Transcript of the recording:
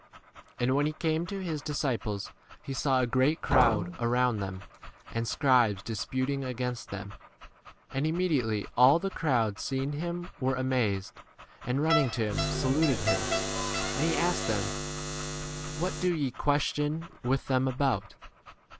14 And when he came to his disci ples he saw a great crowd around them, and scribes disputing a 15 gainst them. And immediately all the crowd seeing him were amazed, and running to [him], 19 saluted him. And he asked them,™ What do ye question with them V about